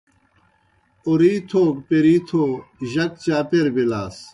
اوْرِیتھو گہ پیْرِیتھو جک چاپیر بِلاس۔